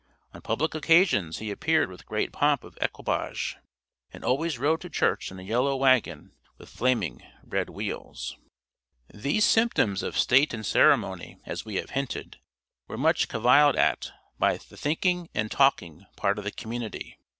On public occasions he appeared with great pomp of equipage, and always rode to church in a yellow wagon with flaming red wheels. These symptoms of state and ceremony, as we have hinted, were much caviled at by the thinking, and talking, part of the community.